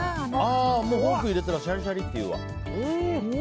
もうフォークを入れたらシャリシャリってなるわ。